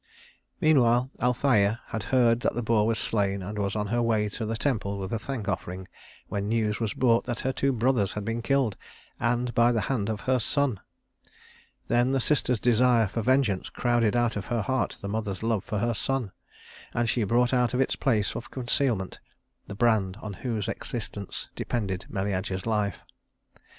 Meanwhile Althæa had heard that the boar was slain, and was on her way to the temple with a thank offering when news was brought her that her two brothers had been killed and by the hand of her son. Then the sister's desire for vengeance crowded out of her heart the mother's love for her son; and she brought out of its place of concealment the brand on whose existence depended Meleager's life.